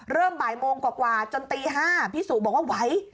บ่ายโมงกว่าจนตี๕พี่สุบอกว่าไหว